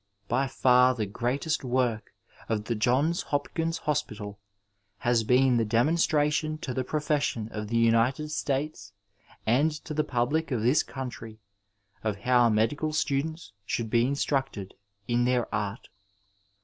By far the greatest work of the Johns Hopkins Hospital has been the demonstration to the pro fession of the United States and to the pubUc of this country of how medical students should be instructed in their art.